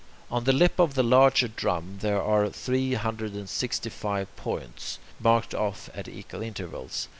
On the lip of the larger drum there are three hundred and sixty five points, marked off at equal intervals.